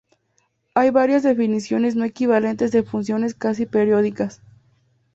Hay varias definiciones no equivalentes de funciones casi periódicas.